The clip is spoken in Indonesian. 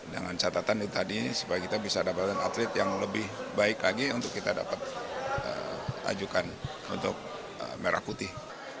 dengan catatan itu tadi supaya kita bisa dapatkan atlet yang lebih baik lagi untuk kita dapat ajukan untuk merah putih